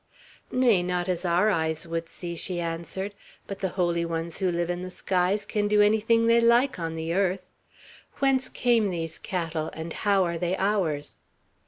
"Nay, not as our eyes would see," she answered; "but the holy ones who live in the skies can do anything they like on the earth. Whence came these cattle, and how are they ours?"